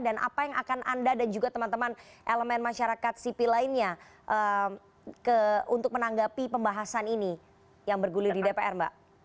apa yang akan anda dan juga teman teman elemen masyarakat sipil lainnya untuk menanggapi pembahasan ini yang bergulir di dpr mbak